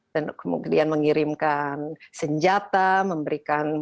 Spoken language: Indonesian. dan kemudian mengirimkan senjata memberikan